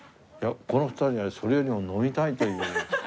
この２人がそれよりも飲みたいという。